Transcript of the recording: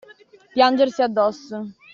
Piangersi addosso.